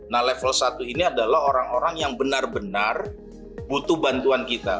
nah level satu ini adalah orang orang yang benar benar butuh bantuan kita